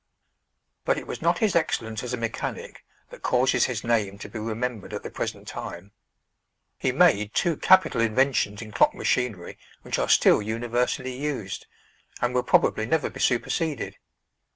But it was not his excellence as a mechanic that causes his name to be remembered at the present time. He made two capital inventions in clock machinery which are still universally used, and will probably never be superseded.